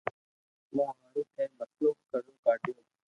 مون ھارو ٿي مسلئ ڪرو ڪاڌيو